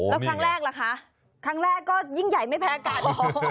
แล้วครั้งแรกล่ะคะครั้งแรกก็ยิ่งใหญ่ไม่แพ้กัน